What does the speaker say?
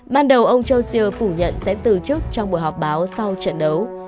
ban đầu ông châu siêu phủ nhận sẽ từ chức trong buổi họp báo sau trận đấu